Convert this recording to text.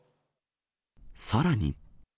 さらに。